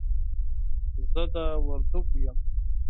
زه د وردګو يم.